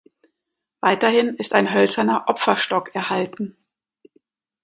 Weiterhin ist ein hölzerner Opferstock erhalten.